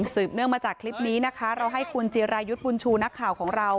เนื่องมาจากคลิปนี้นะคะเราให้คุณจิรายุทธ์บุญชูนักข่าวของเรา